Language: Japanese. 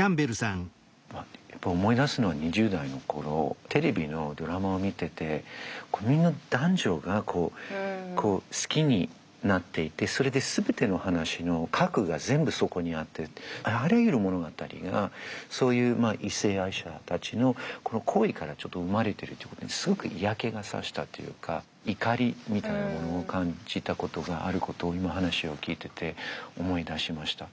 やっぱ思い出すのは２０代の頃テレビのドラマを見ててみんな男女がこう好きになっていてそれで全ての話の核が全部そこにあってあらゆる物語がそういう異性愛者たちの行為からちょっと生まれてるってことにすごく嫌気が差したというか怒りみたいなものを感じたことがあることを今話を聞いてて思い出しました。